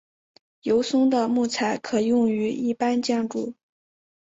油松的木材可用于一般建筑。